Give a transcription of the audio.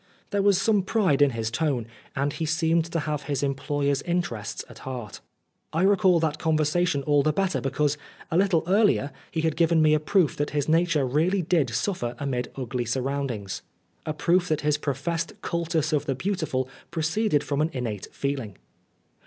There was some pride in his tone, and he seemed to have his employers' interests at heart. I recall that conversation all the better because, a little earlier, he had given me a proof that his nature really did suffer amid ugly surroundings, a proof that his professed cultus of the beautiful proceeded from an innate feeling.